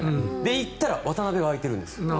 行ったら渡邊が空いてるんです。